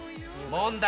問題！